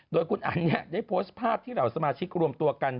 โดยคุณอันได้โพสต์ภาพที่เหล่าสมาชิกรวมตัวกัน